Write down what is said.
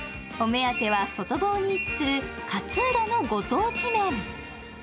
お目当ては外房に位置する勝浦のご当地麺。